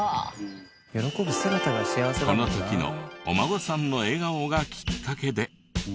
この時のお孫さんの笑顔がきっかけで。